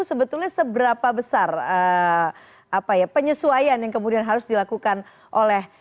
sebetulnya seberapa besar penyesuaian yang kemudian harus dilakukan oleh